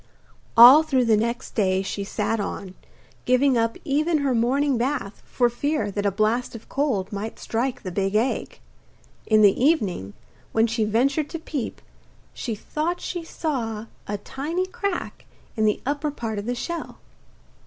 All through the next day she sat on, giving up even her morning bath for fear that a blast of cold might strike the big egg. In the evening, when she ventured to peep, she thought she saw a tiny crack in the upper part of the shell.